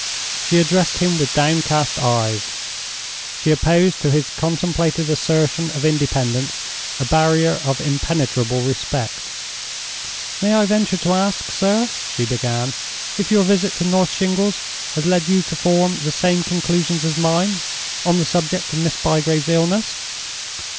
She addressed him with downcast eyes; she opposed to his contemplated assertion of independence a barrier of impenetrable respect. "May I venture to ask, sir," she began, "if your visit to North Shingles has led you to form the same conclusion as mine on the subject of Miss Bygrave's illness?"